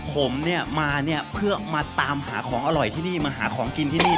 ผมเนี่ยมาเนี่ยเพื่อมาตามหาของอร่อยที่นี่มาหาของกินที่นี่